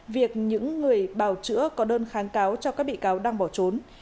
việc những người bào chữa có đơn kháng cáo cho các bị cáo đang bỏ trốn